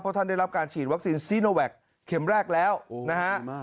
เพราะท่านได้รับการฉีดวัคซีนโควิดแข็มแรกแล้วนะฮะ